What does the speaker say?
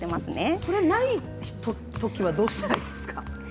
それがないときはどうしたらいいですか？